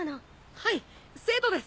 はい生徒です。